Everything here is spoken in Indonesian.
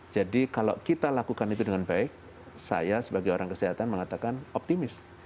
jadi kalau kita lakukan itu dengan baik saya sebagai orang kesehatan mengatakan optimis